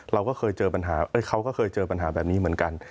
เราก็เคยเจอปัญหาเขาก็เคยเจอปัญหาแบบนี้เหมือนกัน